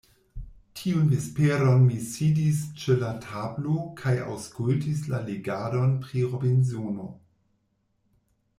Tiun vesperon mi sidis ĉe la tablo kaj aŭskultis la legadon pri Robinsono.